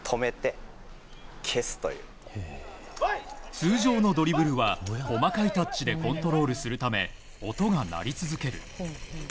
通常のドリブルは細かいタッチでコントロールするため音が鳴り続ける。